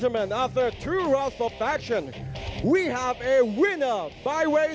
มันเป็นรักษาของเช็นเกิร์ด